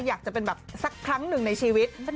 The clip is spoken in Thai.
อยากจะเป็นแบบสักครั้งหนึ่งในชีวิต